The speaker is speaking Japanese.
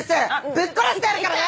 ぶっ殺してやるからな！